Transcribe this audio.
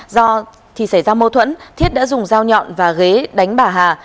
do thì xảy ra mâu thuẫn thiết đã dùng dao nhọn và ghế đánh bà hà